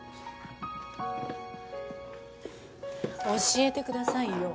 教えてくださいよ。